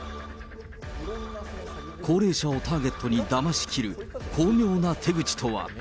高齢者をターゲットにだましきる巧妙な手口とは。